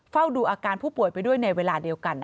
เฝ้าดูอาการผู้ป่วยไปด้วยในเวลาเดียวกัน